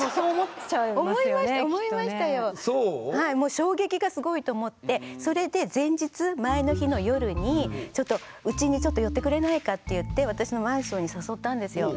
はいもう衝撃がすごいと思ってそれで前日前の日の夜にちょっとうちにちょっと寄ってくれないかって言って私のマンションに誘ったんですよ。